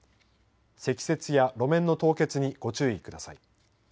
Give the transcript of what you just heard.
積雪や路面の凍結にご注意ください。